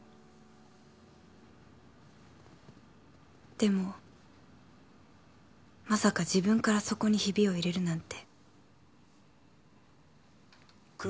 でもまさか自分からそこにヒビを入れるなんて